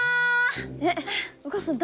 えっお母さん